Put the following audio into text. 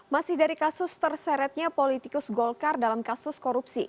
masih dari kasus terseretnya politikus golkar dalam kasus korupsi